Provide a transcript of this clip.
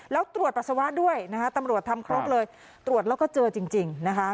แล้วตรวจปัสสาวะด้วยนะคะตำรวจทำครบเลยตรวจแล้วก็เจอจริงนะคะ